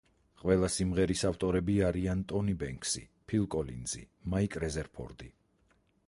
ყველა სიმღერის ავტორები არიან ტონი ბენქსი, ფილ კოლინზი, მაიკ რეზერფორდი.